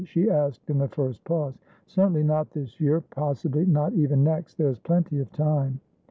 she asked in the first pause. "Certainly not this year. Possibly not even next. There's plenty of time."